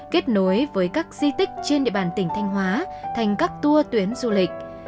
kết nối với các di tích trên địa bàn tỉnh thanh hóa thành các tour tuyến du lịch